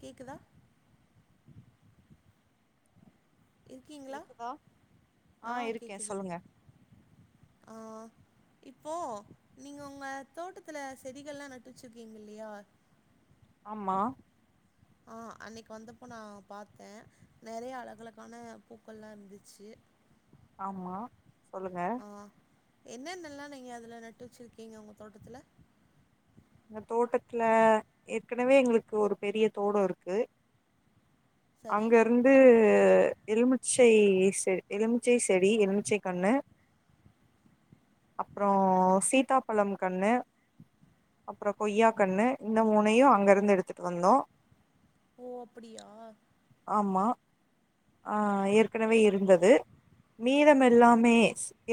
கேக்குதா இருக்கீங்ளா கேக்குதா ஆ ஆஹ் இருக்கே கேக்குது சொல்லுங்க ஆஹ் இப்போ நீங்க உங்க தோட்டத்துல செடிகள்ல்லாம் நட்டுச்சிருக்கீங்கல்லையா ஆமா ஆஹ் அன்னைக்கு வந்தப்போ நான் பாத்தேன் நிறைய அழகலகான பூக்கள்ல்லாம் இருந்துச்சு ஆமா சொல்லுங்க என்னன்னல்லாம் நீங்க அதுல நட்டு வச்சிருக்கீங்க உங்க தோட்டத்துல இந்த தோட்டத்துல ஏற்கனவே எங்களுக்கு ஒரு பெரிய தோடம் இருக்கு சரி அங்கருந்து எலுமிச்சை செ எலுமிச்சை செடி எலுமிச்சை கண்ணு அப்றம் சீதாப்பழம் கண்ணு அப்றம் கொய்யா கண்ணு இந்த மூணையும் அங்க இருந்து எடுத்துட்டு வந்தோம் ஓ அப்டியா ஆஹ் ஏற்கனவே இருந்தது மீதம் எல்லாமே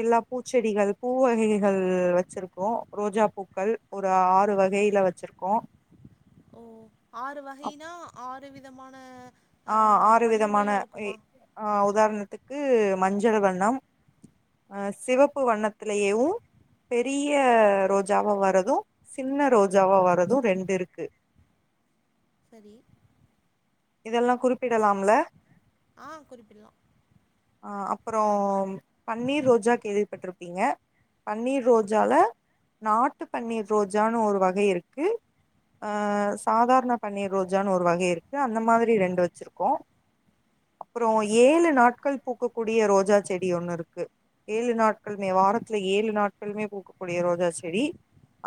எல்லா பூச்செடிகள் பூ வகைகள் வச்சிருக்கோம் ரோஜா பூக்கள் ஒரு ஆறு வகையில வச்சிருக்கோம் ஓ ஆறு வகைனா ஆறு ஒரு விதமான ஆ, ஆஹ் ஆறு விதமான வண்ணங்கள்ல எ இருக்குமா உதாரணத்துக்கு க்கு மஞ்சள் வண்ணம் அஹ் சிவப்பு வண்ணத்திலேயேவும் பெரிய ரோஜாவா வரதும் சின்ன ரோஜாவா வரதும் ரெண்டு இருக்கு சரி இதெல்லாம் குறிப்பிடலாம்ல ஆஹ் குறிப்பிடலாம் அஹ் அப்புறம் பன்னீர் ரோஜா கேள்விப்பட்டிருப்பீங்க பன்னீர் ரோஜால நாட்டு பன்னீர் ரோஜான்னு ஒரு வகை இருக்கு ஆஹ் சாதாரண பன்னீர் ரோஜான்னு ஒரு வகை இருக்கு அந்த மாதிரி ரெண்டு வச்சிருக்கோம் அப்றம் ஏழு நாட்கள் பூக்கக்கூடிய ரோஜா செடி ஒண்ணு இருக்கு ஏழு நாட்களுமே வாரத்துல ஏழு நாட்களுமே பூக்கக்கூடிய ரோஜா செடி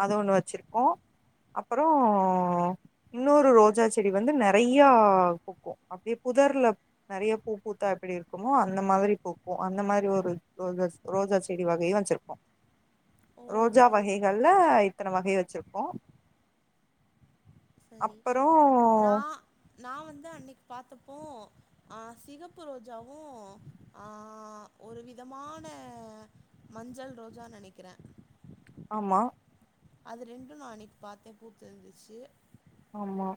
அது ஒண்ணு வச்சிருக்கோம் அப்பறம் இன்னொரு ரோஜா செடி வந்து ந நிறைய பூக்கும் அப்டியே புதர்ல நிறைய பூ பூத்தா எப்படி இருக்குமோ அந்த மாதிரி பூக்கும் அந்த மாதிரி ஒரு ரோஜா ரோஜா செடி வகையும் வச்சிருப்போம் ஓ சரி சரி ரோஜாவஹைகல்ல இத்தனை வகை வச்சிருக்கோம் சரி நா அப்பறம் நா வந்து அன்னைக்கு பார்த்தப்போ அஹ் சிகப்பு ரோஜாவும் ஆ ஒரு விதமான மஞ்சள் ரோஜா நினைக்கிறே ஆமா அது ரெண்டும் நா அன்னைக்கு பாத்தேன் பூத்திருந்துச்சு ஆமா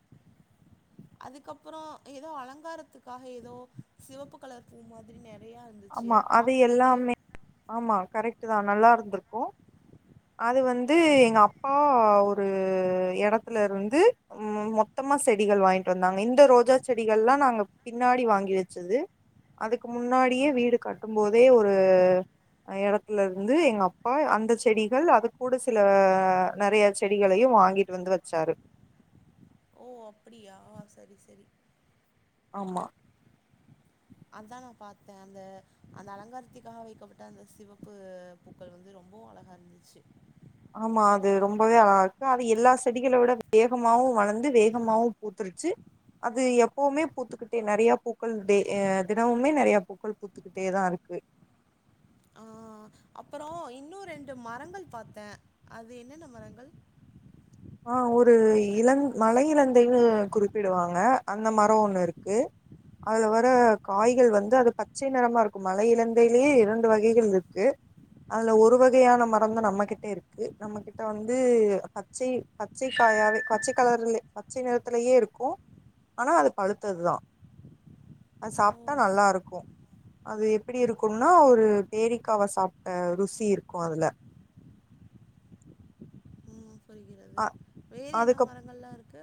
அதுக்கப்புறம் ஏதோ அலங்காரத்துக்காக ஏதோ சிவப்பு கலர்பூ மாதிரி நே ஆமா அது எல்லாமே ஆமா கரெக்ட் அதான் நல்லா இருந்திருக்கும் அது வந்து எங்க அப்பா ஒரு எடத்துல இருந்து மொ மொத்தமா செடிகள் வாங்கிட்டு வந்தாங்க இந்த ரோஜா செடிகள்லாம் நாங்க பின்னாடி வாங்கி வச்சது அதுக்கு முன்னாடி [unintelligible] வீடு கட்டும் போதே ஒரு எடத்துலருந்து எங்க அப்பா அந்த செடிகள் அது கூூட சில நிறைய செடிகளையும் வாங்கிட்டு வந்து வச்சாரு ஓ அப்படியாஹ சரி சரி ஆமா அதானே பார்த்தேன் அந்த அந்த அலங்காரத்துக்காக வைக்கப்பட்ட அந்த சிவப்பு பூக்கள் வந்து ரொம்பவும் அழகா இருந்துச்சு ஆமா அது ரொம்பவே அழா இருக்கு அது எல்லா செடிகளை விட வேகமாவும் வளர்ந்து வேகமாவும் பூத்துருச்சு அது எப்பவுமே பூத்துக்கிட்டே நிறைய பூக்கள் தே தினமுமே நிறைய பூக்கள் பூத்துக்கிட்டேதான் இருக்கு அப்பறம் இன்னும் ரெண்டு மரங்கள் பாத்தேன் அது என்னென்ன மரங்கள் ஆஹ் ஒரு இந மலை இலந்தைன்னு குறிப்பிடுவாங்க அந்த மரம் ஒண்ணு இருக்கு அதுல வர காய்கள் வந்து அது பச்சை நிறமா இருக்கு மலை இழந்தையிலயே இரண்டு வகைகள் இருக்கு அதுல ஒரு வகையான மரம் தான் நம்ம கிட்ட இருக்கு நம்ம கிட்ட வந்து பச்சை பச்சை காயாவே பச்சை கலர்லயே பச்சை நிறத்துிலயே இருக்கும் ஆனா அது பழுத்ததுதான் அது ஓ! சாப்பிட்டா நல்லா இருக்கும் அது எப்படி இருக்கும்னா ஒரு பேரிக்காவ சாப்பிட்ட ருசி இருக்கும் அதுல ம் புரிகிறது. ஆஹ என்ன மரங்கள்லாம் இருக்கு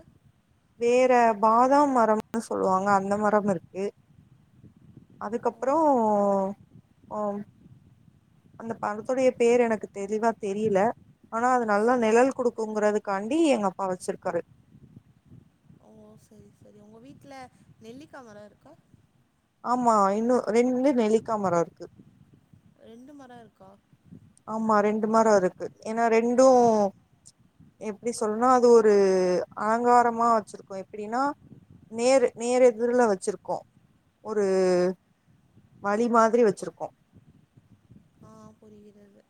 வேற பாதாம் மரம்னு சொல்லுவாங்க அந்த மரம் இருக்கு ஓ! அதுக்கப்பறம் அந்த பணத்துடைய பேர் எனக்கு தெளிவா தெரியல ஆனா அது நல்லா நிழல் குடுக் குங்குறதுக்காண்டி எங்க அப்பா வச்சிருக்காரு ஓ சரி சரி உங்க வீட்டுல நெல்லிக்கா மரம் இருக்கா ஆமா இன்னும் ரெண்டு நெல்லிக்கா மரம் இருக்கு ரெண்டு மரம் இருக்கா ஆமா ரெண்டு மரம் இருக்கு ஏன்னா ரெண்டும் எப்டி சொல்லனா அது ஒரு அலங்காரமா வச்சிருக்கோம் எப்படின்னா நேர் நேர் எதுர்ல வச்சிருக்கோம் ஒரு வழி மாதிரி வச்சிருக்கோம் ஆ புரிகிறது.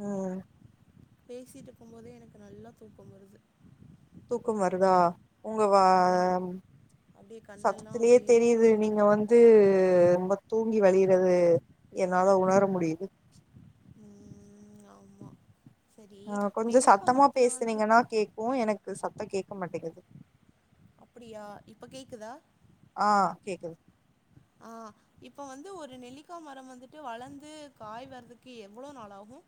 ம் பேசிட்டுருக்கும் போதே எனக்கு நல்ல தூக்கம் வருது தூக்கம் வருதா உங்க வா ஆமா. ம் அப்படியே கண்ணெல்லாம் சத்தத்திலயே அப்படியே தெரியுது மூடுது. நீங்க வந்து து ரொம்ப தூங்கி வலியறது என்னால உணர முடியுது ம் ஆமா. சரி, ஆ கொஞ்சம் நெல்லிக்கா சத்தமா மரத்துல பேசனீங்கன்னா வந்துட்டு கேக்கும் எனக்கு சத் த்த கேட்க மாட்டிங்குது அப்டியா இப்ப கேக்குதா ஆ கேக்குது ஆ இப்ப வந்து ஒரு நெல்லிக்கா மரம் வந்துட்டு வளர்ந்து காய் வர்றதுக்கு எவ்ளோ நாளாகும்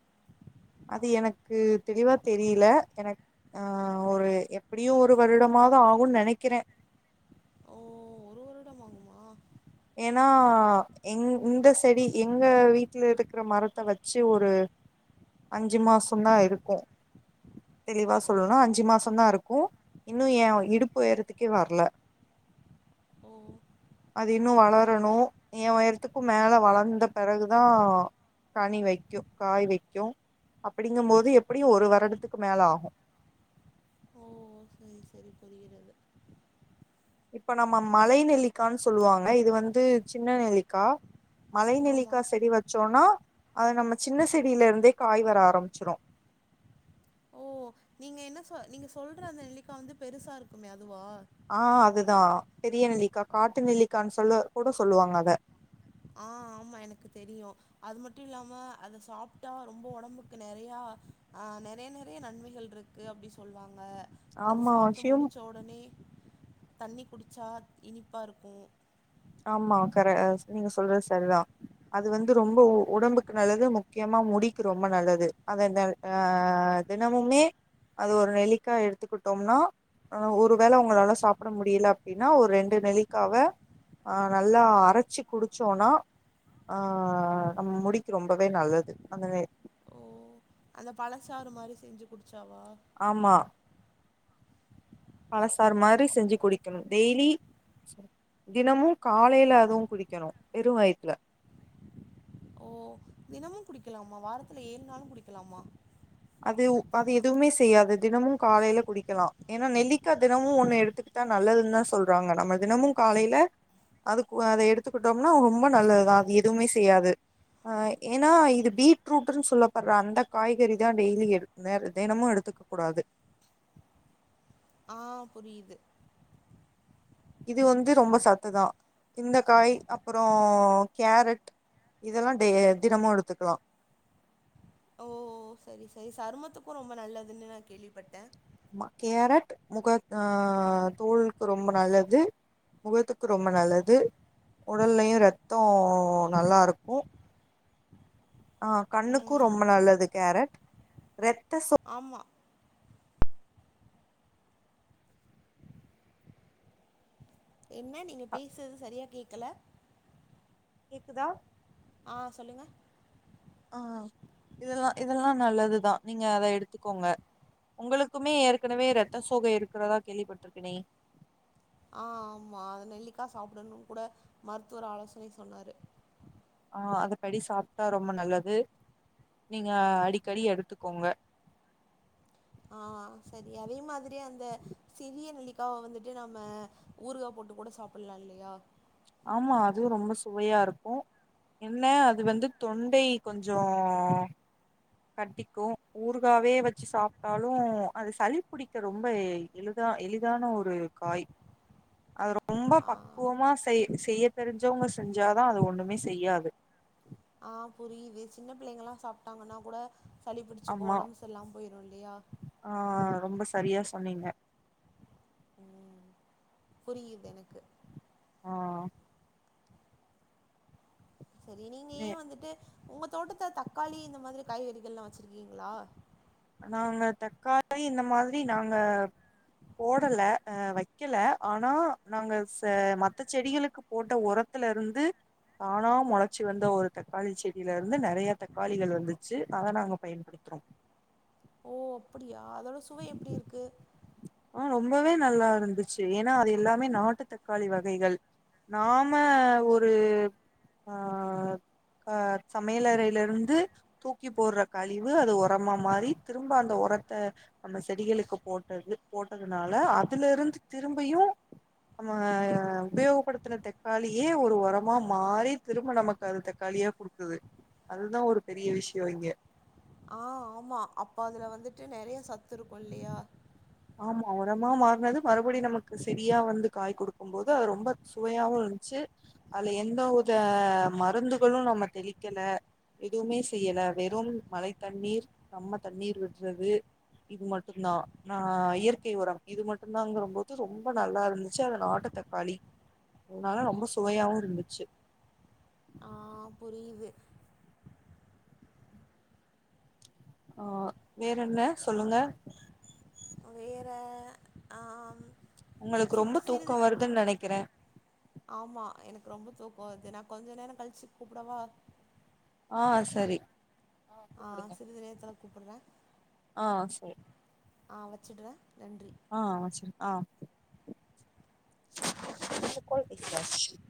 அது எனக்கு தெளிவா தெரில எனக் ஆ ஒரு எப்படியு ஒரு வருடமாவாது ஆகும்னு நெனைக்கிறே ஓ ஒரு வருடம் ஆகுமா ஏனா எங் இந்த செடி எங்க வீட்டுல இருக்கிற மரத்த வச்சு ஒரு அஞ்சு மாசம் தா இருக்கும் தெளிவா சொல்லுனா அஞ்சு மாசம் தா இருக்கும் இன்னும் எ இடுப்புயறதுக்கே வரல ஓ அ து இன்னு வளரணு எ உயரத்துக்கும் மேல வளர்ந்த பிறகுதா கனி வைக்கும் காய் வைக்கும் அப்டிங்கும்போது எப்டியு ஒரு வருடத்துக்கு மேல ஆகும் ஓ [unintelligible] இப்ப நம்ம மலை நெல்லிக்கான்னு சொல்லுவாங்க இது வந்து சின்ன நெல்லிக்கா ஆமா மலைநெல்லிக்கா செடி வச்சோனா அது நம்ம சின்ன செடியில இருந்தே காய் வர ஆரம்பிச்சிடும் ஓ நீங்க என்ன சொ நீங்க சொல்ற அந்த நெல்லிக்கா வந்து பெருசா இருக்குமே அதுவா ஆ அதுதா பெரிய நெல்லிக்கா காட்டு நெல்லிக்கான்னு சொல்ல கூட சொல்லுவாங்க அத ஆ ஆமா எனக்கு தெரியு அது மட்டும் இல்லாம அத சாப்ட்டா ரொம்ப உடம்புக்கு நெறையா ஆ நெறைய நெறைய நன்மைகள் இருக்கு அப்டி சொல்லுவாங்க அது ஆமா சாப்ட்டு ஷியும் முடிச்ச உடனே தண்ணி குடிச்சா இனிப்பா இருக்கும் ஆமா கர நீங்க சொல்ற சரிதா அது வந்து ரொம்ப உடம்புக்கு நல்லது முக்கியமா முடிக்கு ரொம்ப நல்லது அத இந்த ஆ தினமுமே அது ஒரு நெல்லிக்காய் எடுத்துக்கிட்டோம்னா ஒரு வேள உங்களால சாப்பிட முடியல அப்படின்னா ஒரு ரெண்டு நெல்லிக்காவ ஆ நல்லா அரைச்சு குடிச்சோம்னா ஆ நம்ம முடிக்கு ரொம்பவே நல்லது அந்த நெ ஓ அந்த பழசாறு மாரி செஞ்சு குடுத் சவ்வா பழசார் மாரி சரி செஞ்சு சரி குடிக்கணும் டெய்லி தினமும் காலையில அதுவும் குடிக்கணு வெரும் வயத்துல ஓ தினமும் குடிக்கலாமா வாரத்துல ஏழு நாளும் குடிக்கலாமா அது அது எதுவுமே செய்யாது தினமும் காலையில குடிக்கலா ஏன்னா நெல்லிக்கா தினமும் ஒண்ணு எடுத்துக்கிட்டா நல்லதுன்னுதா சொல்றாங்க நம்ம தினமும் காலையில அது கு அத எடுத்துக்கிட்டோம்னா ரொம்ப நல்லதுதா அது எதுவுமே செய்யாது ஆ ஏன்னா இது பீட்ரூட்ன்னு சொல்லப்படுற அந்த காய்கறி தா டெய்லி எடு நெர் தினமும் எடுத்துக்க கூடாது ஆ புரியுது இது வந்து ரொம்ப சத்துதா இந்தக்காய் அப்பறோ கேரட் இதெல்லா டெய் தினமு எடுத்துக்கலாம் ஓ சரி சரி சருமத்துக்கு ரொம்ப நல்லதுன்னு நா கேள்விப்பட்டே மா கேரட் முக ஆ தோலுக்கு ரொம்ப நல்லது முகத்துக்கு ரொம்ப நல்லது உடல்லயும் ரத்தம் நல்லா இருக்கும் ஆ கண்ணுக்கு ம் ரொம்ப நல்லது கேரட் ரெட் ஆமா என்ன நீங்க பேசறது சரியா கேக் க்கல கேக்குதா ஆ சொல்லுங்க ஆ இதெல்லா இதெல்லா நல்லதுதா நீங்க அத எடுத்துக்கோங்க உங்களுக்குமே ஏற்கனவே இரத்த சோகை இருக்கிறதா கேள்விப்பட்டுருக்கனே ஆ ஆமா அத நெல்லிக்கா சாப்பிடும்னு கூட மருத்துவர் ஆலோசனை சொன்னாரு ஆ அத படி சாப்ட்டா ரொம்ப நல்லது நீங்க அடிக்கடி எடுத்துக்கோங்க ஆ சரி அதே மாதிரி அந்த சிறிய நல்லிக்காய வந்துட்டு நம்ம ஊறுகா போட்டு கூட சாப்பிடலா இல்லையா ஆமா அதுவும் ரொம்ப சுவையா இருக்கும் என்ன அது வந்து தொண்டை கொஞ்சம் கட்டிக்கும் ஊறுகாவே வச்சு சாப்பிட்டாலும் அது சளி பிடிக்க ரொம்ப எளிதா எளிதான ஒரு காய் அது ரொம்ப ஆ பக்குவமா செய் செய்ய தெரிஞ்சவங்க செஞ்சாதான் அது ஒண்ணுமே செய்யாது ஆஹ் புரியுது சின்ன பிள்ளைங்க எல்லாம் சாப்பிட்டாங்கன்னா கூட சளிபிடிச்சு போ ஆமா உடம்புஸ் எல்லாம் போயிரும் இல்லையா ஆ ரொம்ப சரியா சொன்னீங்க உம் புரியுது எனக்கு ஆ சரி நீங்க வே ஏன் வந்துட்டு உங்க தோட்டத்த தக்காளி இந்த மாதிரி காய்கறிகள்லா வெச்சிருக்கீங்களா நாங்க தக்காளி இந்த மாதிரி நாங்க போடலை அ வெக்கல ஆனா நாங்க ச மத்த செடிகளுக்கு போட்ட ஒரத்துல இருந்து தானா முளைச்சி வந்த ஒரு தக்காளி செடில இருந்து நறைய தக்காளிகள் வந்துச்சு அத நாங்க பயன்படுத்துறோ ஓ அப்படியா அதோட சுவை எப்படி இருக்கு ஆஹ ரொம்பவே நல்லா இருந்துச்சு ஏன்னா அது எல்லாமே நாட்டு தக்காளி வகைகள் நாம ஒரு ஆஹ் கஹ சமையலறையில இருந்து தூக்கி போடுற கழிவு அது ஒரமா மாறி திரும்ப அந்த உரத்த நம்ம செடிகளுக்கு போட்டது போட்டதுனால அதுல இருந்து திரும்பியும் நம்ம உபயோகப்படுத்தின தக்காளியே ஒரு உரமா மாறி திரும்ப நமக்கு அது தக்காளியா குடுத்தது அதுதான் ஒரு பெரிய விஷயம் இங்க ஆஹ் ஆமா அப்ப அதுல வந்துட்டு நிறைய சத்து இருக்கும் இல்லையா ஆ உரமா மாறனது மறுபடி நமக்கு செரியா வந்து காய் குடுக்கும் போோது அது ரொம்ப சுவையாவவும் இருந்துச்சு அதுல எந்த வித மருந்துகளும் நம்ம தெளிக்கல எதுவுமே செய்யல வெறும் மலை தண்ணீர் நம்ம தண்ணீர் விடுறது இது மட்டு தான் ஆஹ் இயற்கை உரம் இது மட்டும தான்ங்கறபோது ரொம்ப நல்லா இருந்துச்சு அது நாட்டு தக்காளி அதனால ரொம்ப சுவையாவும் இருந்துச்சு மா புரியுது ஆஹ வேற என்ன சொல்லுங்க வேற ஆம் உங்களுக்கு ரொம்ப சிற்று சிறிது தூக்கம் வருதுன்னு நினைக்கிறேன் ஆமா எனக்கு ரொம்ப தூக்கம் அது நான் கொஞ்சோ நேரம் கழிச்சு கூப்பிடவா ஆ சரி ஆ சிறிது நேரத்துல தொடர்பு கூப்புற ஆ சரி ஆ வெச்சுடுறே ஆ வெச்சுடுங்க ஆ [unintelligible]